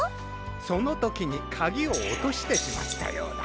そのときにかぎをおとしてしまったようだ。